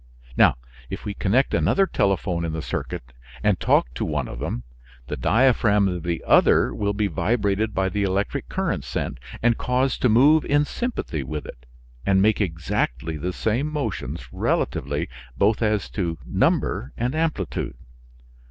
Now, if we connect another telephone in the circuit, and talk to one of them, the diaphragm of the other will be vibrated by the electric current sent, and caused to move in sympathy with it and make exactly the same motions relatively, both as to number and amplitude.